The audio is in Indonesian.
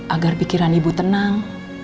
agar pikiran ibu tenang